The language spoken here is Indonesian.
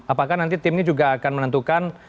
apakah nanti tim ini juga akan menentukan